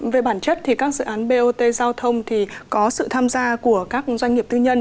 về bản chất thì các dự án bot giao thông thì có sự tham gia của các doanh nghiệp tư nhân